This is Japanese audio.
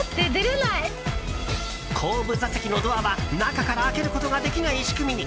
後部座席のドアは中から開けることができない仕組みに。